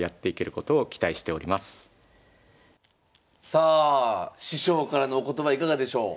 さあ師匠からのお言葉いかがでしょう？